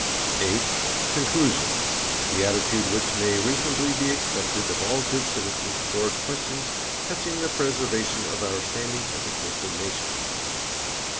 VIII. CONCLUSION: The attitude which may reasonably be expected of all good citizens toward questions touching the preservation of our standing as a Christian nation.